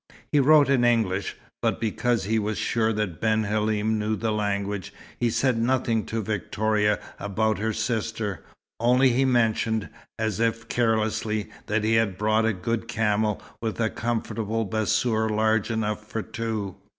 He wrote in English, but because he was sure that Ben Halim knew the language, he said nothing to Victoria about her sister. Only he mentioned, as if carelessly, that he had brought a good camel with a comfortable bassour large enough for two.